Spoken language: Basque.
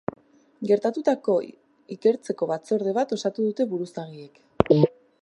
Gertatutako ikertzeko batzorde bat osatu dute buruzagiek.